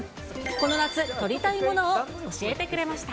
この夏、撮りたいものを教えてくれました。